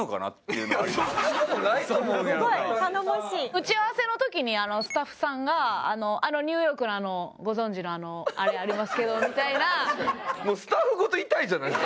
打ち合わせの時にスタッフさんが「あのニューヨークのご存じのあれありますけど」みたいな。